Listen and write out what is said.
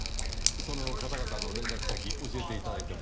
その方々の連絡先教えて頂いても？